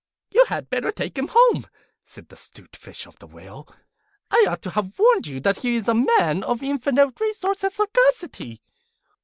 'You had better take him home,' said the 'Stute Fish to the Whale. 'I ought to have warned you that he is a man of infinite resource and sagacity.